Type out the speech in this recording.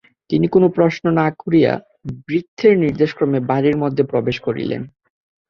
তিনি কোনো প্রশ্ন না করিয়া ভৃত্যের নির্দেশক্রমে বাড়ির মধ্যে প্রবেশ করিলেন।